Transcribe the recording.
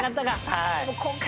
はい。